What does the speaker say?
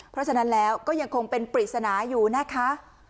เพราะฉะนั้นแล้วก็ยังคงเป็นปริศนาอยู่นะคะ